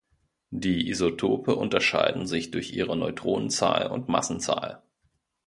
Die Isotope unterscheiden sich durch ihre Neutronenzahl und Massenzahl.